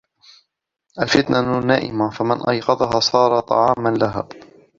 الْفِتْنَةُ نَائِمَةٌ فَمَنْ أَيْقَظَهَا صَارَ طَعَامًا لَهَا